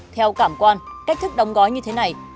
theo cảm quan cách thức đóng gói như thế này